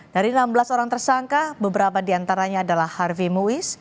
dari enam belas orang tersangka beberapa diantaranya adalah harvey muiz